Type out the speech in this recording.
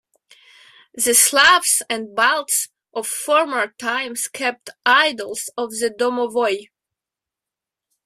The Slavs and Balts of former times kept idols of the domovoi.